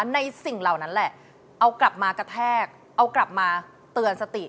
สิ่งเหล่านั้นแหละเอากลับมากระแทกเอากลับมาเตือนสติ